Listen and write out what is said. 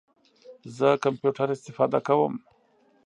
زه کمپیوټر استفاده کوم